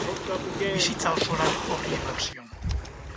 Bizitza oso lan horri eman zion.